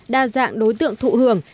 đa dạng đối tượng thụ hưởng